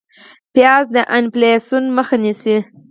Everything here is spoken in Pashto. پیاز د انفلاسیون مخه نیسي